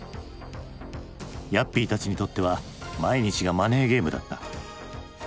ヤッピーたちにとっては毎日がマネーゲームだった。